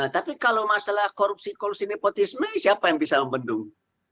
tapi kalau masalah korupsi kolusi nepotisme siapa yang bisa membendung